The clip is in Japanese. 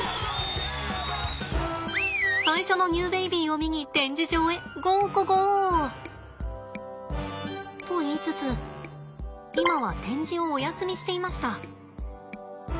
最初のニューベイビーを見に展示場へゴーゴゴー！と言いつつ今は展示をお休みしていました。